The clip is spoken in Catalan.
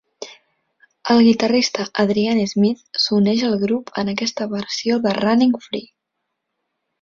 El guitarrista Adrian Smith s'uneix al grup en aquesta versió de "Running Free".